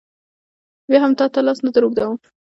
بیا هم تا ته لاس نه در اوږدوم.